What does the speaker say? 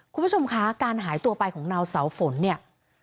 คุณผู้ชมคะการหายตัวไปของนางเสาฝนเนี่ย